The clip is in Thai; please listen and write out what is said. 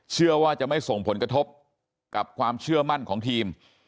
เชื่อว่าจะไม่ส่งผลกระทบกับความเชื่อมั่นของทีม